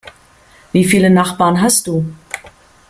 Wie viele Nachbarn hast du?